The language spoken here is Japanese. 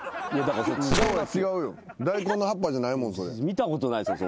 見たことないっすよ。